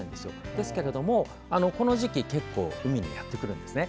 ですけれども、この時期結構海にやってくるんですね。